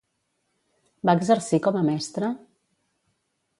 Va exercir com a mestre?